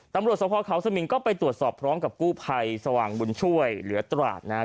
ตำรวจสภเขาสมิงก็ไปตรวจสอบพร้อมกับกู้ภัยสว่างบุญช่วยเหลือตราดนะครับ